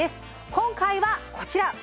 今回はこちら。